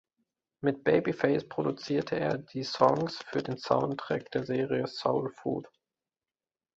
Mit Babyface produzierte er die Songs für den Soundtrack der Serie "Soul Food".